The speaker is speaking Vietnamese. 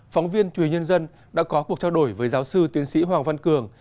phóng viên chùi nhân dân đã có cuộc trao đổi với giáo sư tuyến sĩ hoàng văn cường